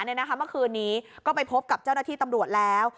เมื่อคืนนี้ก็ไปพบกับเจ้าหน้าที่ตำรวจแล้ว